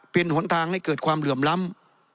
เป็นหนทางให้เกิดความเหลื่อมล้ำ